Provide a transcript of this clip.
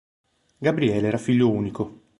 Gabriele era figlio unico.